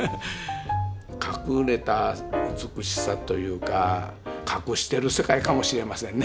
隠れた美しさというか隠してる世界かもしれませんね